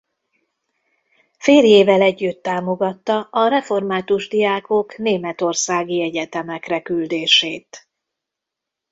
Férjével együtt támogatta a református diákok németországi egyetemekre küldését.